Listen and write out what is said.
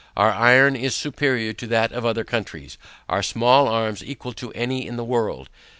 Our iron is superior to that of other countries. Our small arms equal to any in the world.